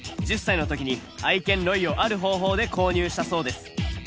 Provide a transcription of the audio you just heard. １０歳のときに愛犬ロイをある方法で購入したそうです。